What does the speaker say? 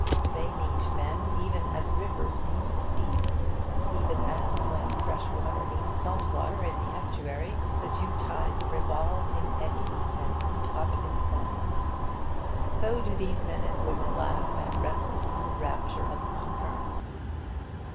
They meet men even as rivers meet the sea. Even as, when fresh water meets salt water in the estuary, the two tides revolve in eddies and leap up in foam, so do these men and women laugh and wrestle in the rapture of concurrence.